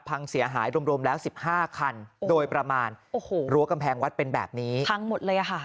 พังเสียหายรวมแล้ว๑๕คันโดยประมาณรั้วกำแพงวัดเป็นแบบนี้พังหมดเลยอ่ะค่ะ